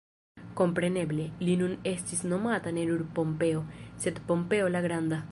Kompreneble, li nun estis nomata ne nur Pompeo, sed Pompeo la Granda.